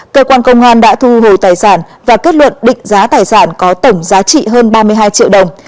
cơ quan công an đã thu hồi tài sản và kết luận định giá tài sản có tổng giá trị hơn ba mươi hai triệu đồng